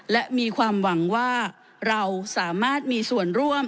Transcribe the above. และมีความหวังว่าเราสามารถมีส่วนร่วม